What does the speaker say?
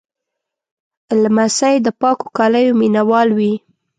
لمسی د پاکو کالیو مینهوال وي.